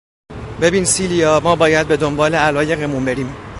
ببین سیلیا، ما باید به دنبال علایقمون بریم.